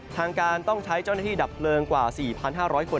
ทางการต้องใช้เจ้าหน้าที่ดับเพลิงกว่า๔๕๐๐คน